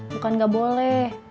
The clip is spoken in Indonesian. bukan nggak boleh